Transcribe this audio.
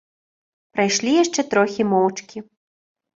Прайшлі яшчэ трохі моўчкі.